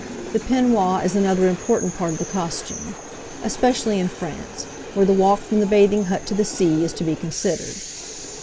The peignoir is another important part of the costume, especially in France, where the walk from the bathing hut to the sea is to be considered.